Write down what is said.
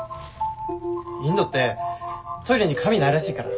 インドってトイレに紙ないらしいから。